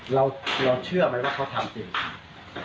เราเชื่อไหมว่าเขาทำจริง